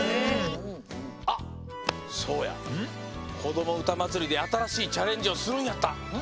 あっそうや「こどもうたまつり」であたらしいチャレンジをするんやった。